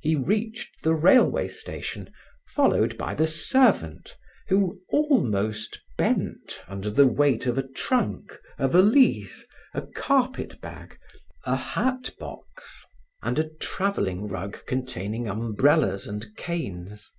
He reached the railway station, followed by the servant who almost bent under the weight of a trunk, a valise, a carpet bag, a hat box and a traveling rug containing umbrellas and canes.